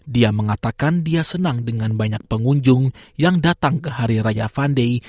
dia mengatakan dia senang dengan banyak pengunjung yang datang ke hari raya vandai